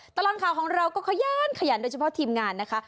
ตลอดข่าวของเราก็ขยันขยันโดยเฉพาะทีมงานนะคะ